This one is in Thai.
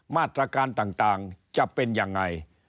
มาตรการต่างจะเป็นยังไง